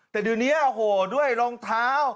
แต่เดีรี่ยวเนี้ยโหโหได้รองเท้า